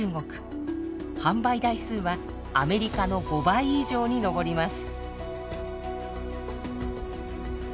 販売台数はアメリカの５倍以上に上ります。